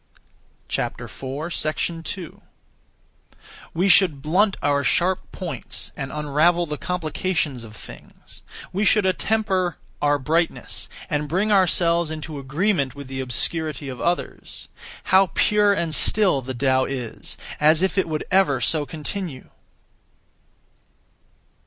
2. We should blunt our sharp points, and unravel the complications of things; we should attemper our brightness, and bring ourselves into agreement with the obscurity of others. How pure and still the Tao is, as if it would ever so continue!